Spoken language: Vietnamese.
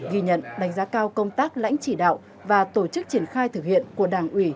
ghi nhận đánh giá cao công tác lãnh chỉ đạo và tổ chức triển khai thực hiện của đảng ủy